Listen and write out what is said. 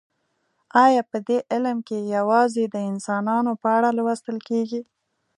ایا په دې علم کې یوازې د انسانانو په اړه لوستل کیږي